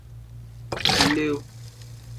峨眉地蜥为蜥蜴科地蜥属的爬行动物。